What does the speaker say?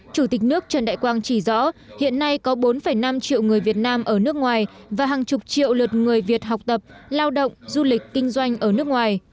chủ tịch nước trần đại quang chỉ rõ hiện nay có bốn năm triệu người việt nam ở nước ngoài và hàng chục triệu lượt người việt học tập lao động du lịch kinh doanh ở nước ngoài